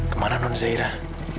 kemana nun zairah